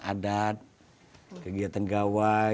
adat kegiatan gawai